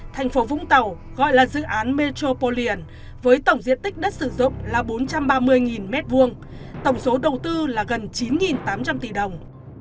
thành phố vũng tàu gọi là dự án metropolian với tổng diện tích đất sử dụng là bốn trăm ba mươi m hai tổng số đầu tư là gần chín tám trăm linh tỷ đồng